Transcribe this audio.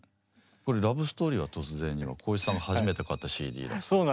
これ「ラブ・ストーリーは突然に」は光一さんが初めて買ったＣＤらしい。